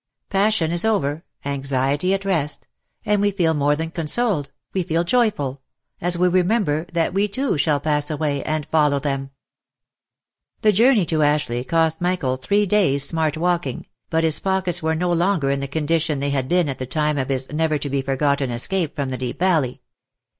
Passion is over, anxiety at rest, and we feel more than consoled, we feel joyful, as we remember that we too shall pass away, and follow them. The journey to Ashleigh cost Michael three days' smart walking, but his pockets were no longer in the condition they had been at the time of his never to be forgotten escape from the Deep Valley.